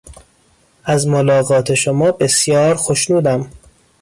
از ملاقات شما بسیار خوشنودم.